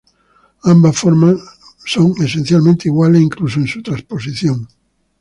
Ambas formas son esencialmente iguales incluso en su trasposición.